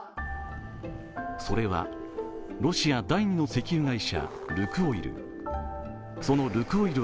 それはロシア第２の石油会社ルクオイル。